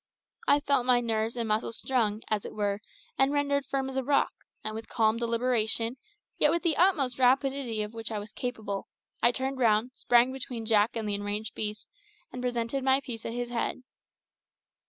I felt my nerves and muscles strung, as it were, and rendered firm as a rock, and with calm deliberation, yet with the utmost rapidity of which I was capable, I turned round, sprang between Jack and the enraged beast, and presented my piece at his head.